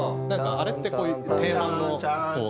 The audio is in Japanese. あれってこういう定番の。